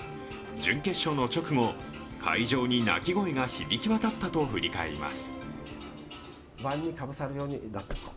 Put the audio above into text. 準決勝の直後、会場に泣き声が響き渡ったと振り返ります。